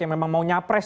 yang memang mau nyapres